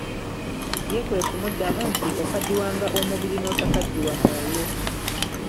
Ye kwe kumudamu nti "okaddiwanga omubiri n'otakaddiwa mwoyo"